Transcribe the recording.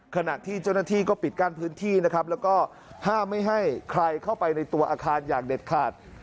ขณะที่เจ้าหน้าที่ก็ปิดกั้นพื้นที่นะครับแล้วก็ห้ามไม่ให้ใครเข้าไปในตัวอาคารอย่างเด็ดขาด